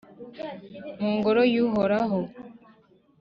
mu Ngoro y’Uhoraho.